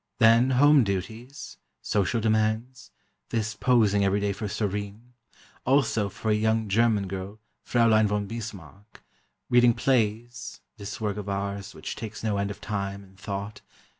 Then, home duties, social demands, this posing every day for Sorine; also, for a young German girl, Fräulein von Bismarck; reading plays; this work of ours, which takes no end of time, and thought.